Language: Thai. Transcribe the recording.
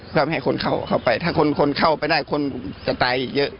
เพื่อไม่ให้คนเข้าไปถ้าคนคนเข้าไปได้คนจะตายอีกเยอะ